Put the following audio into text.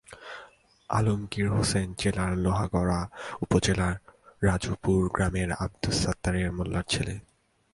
আলমগীর হোসেন জেলার লোহাগড়া উপজেলার রাজুপুর গ্রামের আবদুস সাত্তার মোল্লার ছেলে।